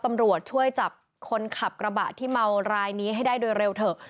ตำรวจช่วยจับคนขับกระบะที่เมารายนี้ให้ได้โดยเร็วเถอะ